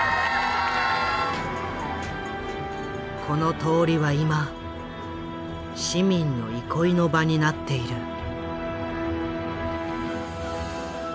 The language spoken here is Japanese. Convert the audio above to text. この通りは今市民の憩いの場になっている。